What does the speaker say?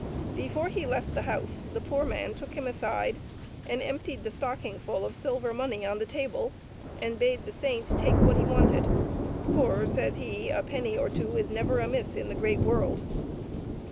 Before he left the house the poor man took him aside, and emptied the stockingful of silver money on the table, and bade the saint take what he wanted, " for," says he, " a penny or two is never amiss in the great world."